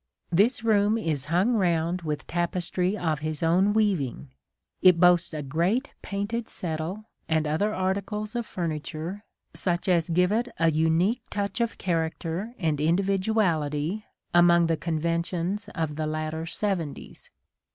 This room is hung round with tapestry of his own weaving : it boasts a great painted settle and other articles of furniture such as give it a unique touch of character and individuality among the conventions of the latter 'seventies.